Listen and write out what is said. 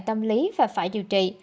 tâm lý và phải điều trị